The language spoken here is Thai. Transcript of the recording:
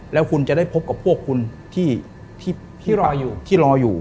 แล้วคุณจะได้พบกับพวกคุณที่รออยู่